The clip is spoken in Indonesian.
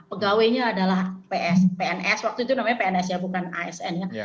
pegawainya adalah pns waktu itu namanya pns ya bukan asn ya